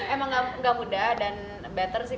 emang gak mudah dan better sih